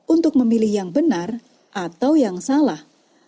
untuk memilih yang benar atau yang salah